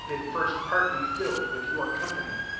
been first partly filled with your company.